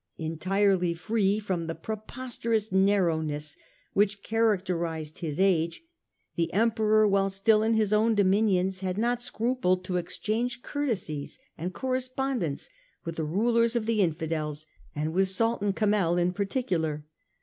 Entirely free from the preposterous narrowness which characterised his age, the Emperor, while still in his own dominions, had not scrupled to exchange courtesies and correspondence with the rulers of the Infidels, and with Sultan Kamel in particular.